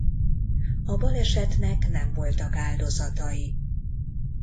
A balesetnek nem voltak áldozatai.